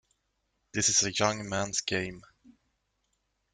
This is a young man's game.